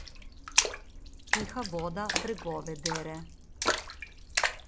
Tiha voda bregove dere.